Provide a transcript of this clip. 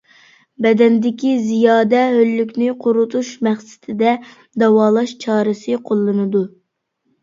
بەدەندىكى زىيادە ھۆللۈكنى قۇرۇتۇش مەقسىتىدە داۋالاش چارىسى قوللىنىلىدۇ.